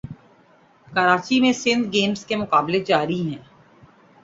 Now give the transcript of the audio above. کراچی میں سندھ گیمز کے مقابلے جاری ہیں